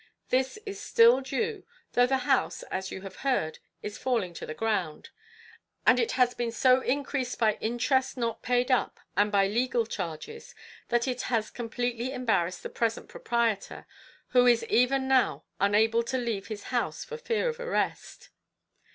This is still due, though the house, as you have heard, is falling to the ground; and it has so been increased by interest not paid up and by legal charges, that it has completely embarrassed the present proprietor, who is even now unable to leave his house for fear of arrest.